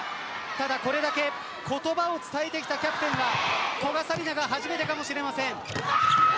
ただ、これだけ言葉を伝えてきたキャプテンは古賀紗理那が初めてかもしれません。